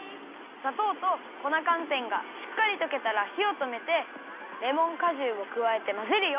さとうと粉かんてんがしっかりとけたらひをとめてレモンかじゅうをくわえてまぜるよ。